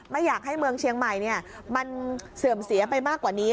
ไม่อยากให้เมืองเชียงใหม่มันเสื่อมเสียไปมากกว่านี้